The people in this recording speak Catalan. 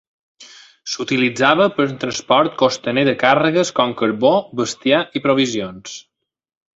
S'utilitzava per al transport costaner de càrregues com carbó, bestiar i provisions.